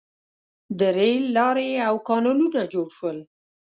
• د رېل لارې او کانالونه جوړ شول.